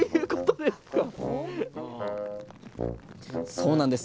そうなんです。